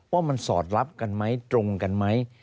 ว่ามันสอดรับกันไหมตรงกันไหม